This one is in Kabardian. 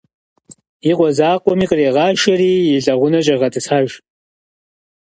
И къуэ закъуэми кърегъашэри и лэгъунэ щӀегъэтӀысхьэж.